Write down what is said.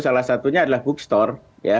salah satunya adalah bookstore